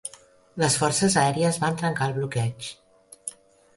Les forces aèries van trencar el bloqueig.